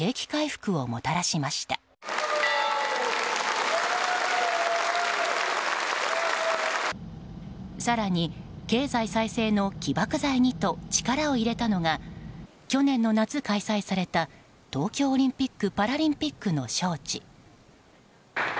さらに経済再生の起爆剤にと力を入れたのが去年の夏、開催された東京オリンピックパラリンピックの招致。